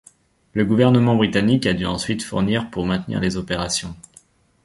Le gouvernement britannique a dû ensuite fournir pour maintenir les opérations.